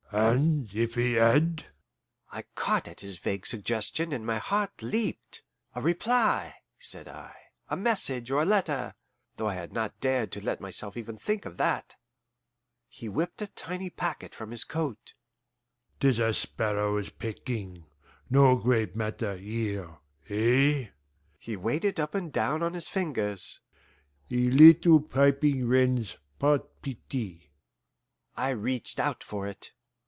"And if he had ?" I caught at his vague suggestion, and my heart leaped. "A reply," said I, "a message or a letter," though I had not dared to let myself even think of that. He whipped a tiny packet from his coat. "'Tis a sparrow's pecking no great matter here, eh?" he weighed it up and down on his fingers "a little piping wren's par pitie." I reached out for it.